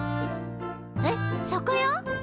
えっ酒屋？